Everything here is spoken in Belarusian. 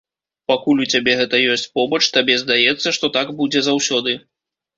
Пакуль у цябе гэта ёсць побач, табе здаецца, што так будзе заўсёды.